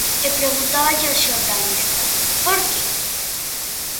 E preguntáballe o xornalista: ¿Por que?